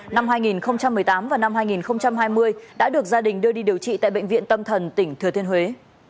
năm hai nghìn một mươi tám và năm hai nghìn hai mươi đã được gia đình đưa đi điều trị tại bệnh viện tâm thần tỉnh thừa thiên huế